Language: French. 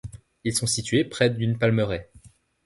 Ils sont situés près d'une palmeraie.